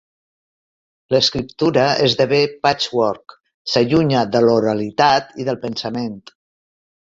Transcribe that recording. L'escriptura esdevé patchwork, s'allunya de l'oralitat i del pensament.